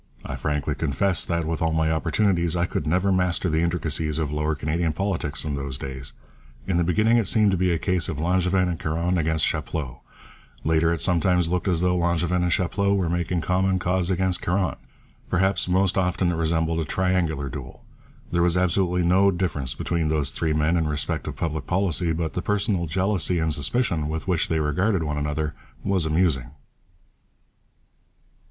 I frankly confess that, with all my opportunities, I could never master the intricacies of Lower Canadian politics in those days. In the beginning it seemed to be a case of Langevin and Caron against Chapleau; later it sometimes looked as though Langevin and Chapleau were making common cause against Caron; perhaps most often it resembled a triangular duel. There was absolutely no difference between those three men in respect of public policy, but the personal jealousy and suspicion with which they regarded one another was amusing.